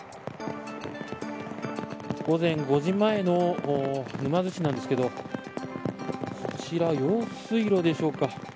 午前５時前の沼津市なんですけどこちら用水路でしょうか。